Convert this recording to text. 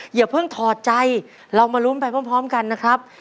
อย่าเพิ่งถอดใจเรามาลุ้นไปพร้อมกันนะครับ